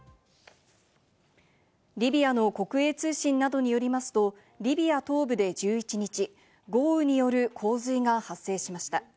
リビアの国営通信などによりますと、リビア東部で１１日、豪雨による洪水が発生しました。